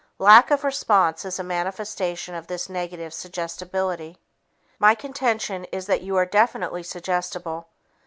Lack of response is a manifestation of this negative suggestibility. My contention is that you are definitely suggestible.